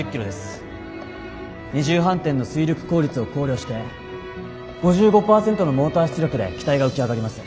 二重反転の推力効率を考慮して５５％のモーター出力で機体が浮き上がります。